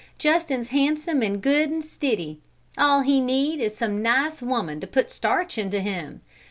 Justin's handsome and good and stiddy; all he need is some nice woman to put starch into him.